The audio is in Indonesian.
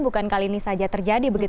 bukan kali ini saja terjadi